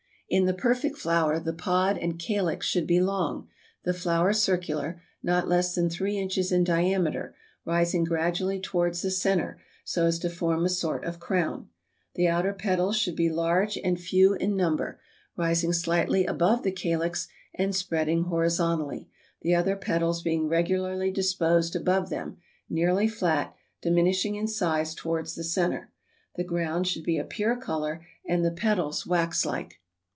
In the perfect flower the pod and calyx should be long, the flower circular, not less than three inches in diameter, rising gradually towards the center, so as to form a sort of crown. The outer petals should be large and few in number, rising slightly above the calyx and spreading horizontally, the other petals being regularly disposed above them, nearly flat, diminishing in size towards the center. The ground should be a pure color and the petals wax like.